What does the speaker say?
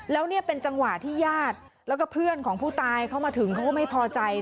แล้วนี่เป็นจังหวะที่ญาติแล้วก็เพื่อนของผู้ตายเขามาถึงเขาก็ไม่พอใจ